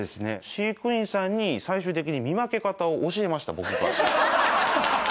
飼育員さんに最終的に見分け方を教えました僕から。